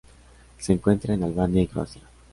Se encuentra en Albania y Croacia.